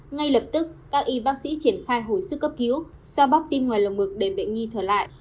ngay lập tức các y bác sĩ triển khai hồi sức cấp cứu xoa bóp tim ngoài lồng mực để bệnh nhi thở lại